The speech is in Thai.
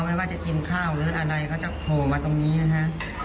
ไม่ว่าจะกินข้าวหรืออะไรเขาจะโผล่มาตรงนี้นะฮะ